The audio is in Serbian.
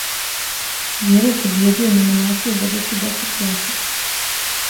Миро је побиједио у номинацији добивши десет гласова.